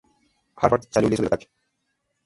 Haftar salió ileso del ataque.